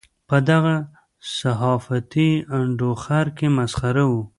په دغه صحافتي انډوخر کې مسخره وو.